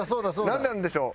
なんなんでしょう？